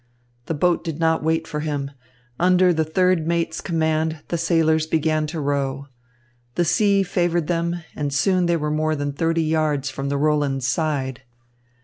The boat did not wait for him. Under the third mate's command, the sailors began to row. The sea favoured them, and soon they were more than thirty yards from the Roland's side.